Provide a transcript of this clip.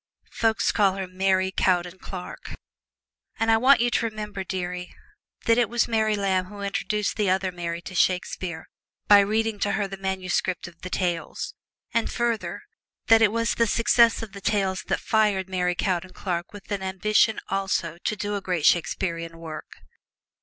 Folks call her Mary Cowden Clarke. And I want you to remember, dearie, that it was Mary Lamb who introduced the other Mary to Shakespeare, by reading to her the manuscript of the "Tales." And further, that it was the success of the "Tales" that fired Mary Cowden Clarke with an ambition also to do a great Shakespearian work.